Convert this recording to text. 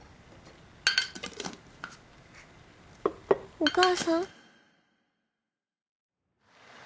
お母さん？